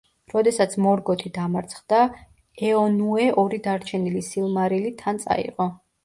როდესაც მორგოთი დამარცხდა, ეონუე ორი დარჩენილი სილმარილი თან წაიღო.